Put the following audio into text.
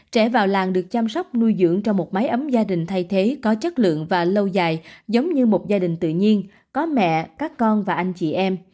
trẻ vào làng được chăm sóc nuôi dưỡng trong một máy ấm gia đình thay thế có chất lượng và lâu dài giống như một gia đình tự nhiên có mẹ các con và anh chị em